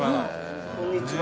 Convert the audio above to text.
こんにちは。